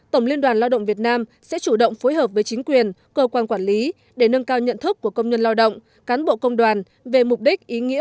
tổng liên đoàn lao động việt nam sẽ chủ động phối hợp với chính quyền cơ quan quản lý để nâng cao nhận thức của công nhân lao động